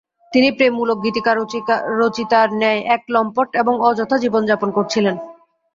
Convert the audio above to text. তিনি প্রেমমূলক গীতিকারচিতার ন্যায় এক লম্পট এবং অযথা জীবন যাপন করেছিলেন।